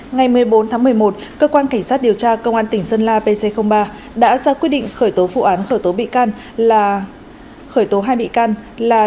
ngày một mươi bốn tháng một mươi một cơ quan cảnh sát điều tra công an tỉnh sơn la pc ba đã ra quyết định khởi tố phụ án khởi tố hai bị can là